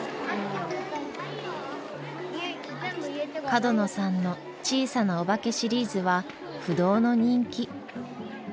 角野さんの「小さなおばけ」シリーズは不動の人気。